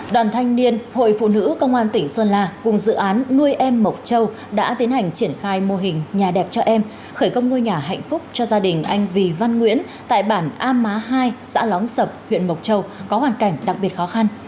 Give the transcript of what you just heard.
đoàn thanh niên hội phụ nữ công an tỉnh sơn la cùng dự án nuôi em mộc châu đã tiến hành triển khai mô hình nhà đẹp cho em khởi công ngôi nhà hạnh phúc cho gia đình anh vì văn nguyễn tại bản a má hai xã lóng sập huyện mộc châu có hoàn cảnh đặc biệt khó khăn